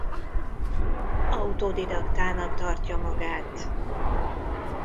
Autodidaktának tartja magát.